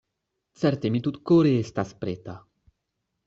Certe mi tutkore estas preta.